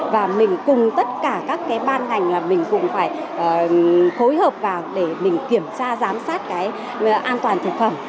và mình cùng tất cả các cái ban ngành là mình cũng phải phối hợp vào để mình kiểm tra giám sát cái an toàn thực phẩm